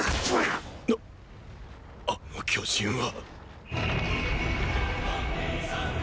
なあの巨人は。